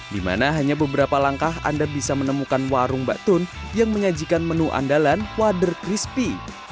di mana hanya beberapa langkah anda bisa menemukan warung batun yang menyajikan menu andalan wader crispy